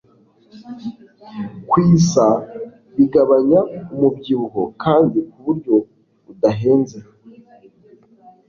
Kwsa bigabanya umubyibuho kandi ku buryo budahenze